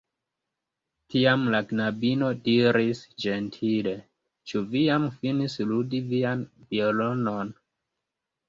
Tiam la knabino diris ĝentile: "Ĉu vi jam finis ludi vian violonon?"